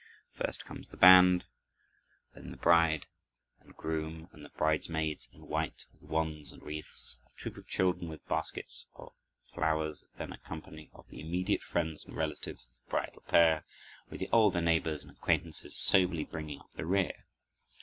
First comes the band, then the bride and groom and the bridesmaids in white, with wands and wreaths, a troop of children with baskets of flowers, then a company of the immediate friends and relatives of the bridal pair, with the older neighbors and acquaintances soberly bringing up the rear.